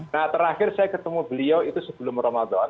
nah terakhir saya ketemu beliau itu sebelum ramadan